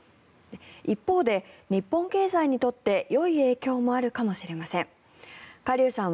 一方で日本経済にとってよい影響もあるかもしれません。